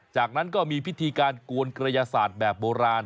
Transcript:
จากนั้นก็มีพิธีการกวนกระยาศาสตร์แบบโบราณ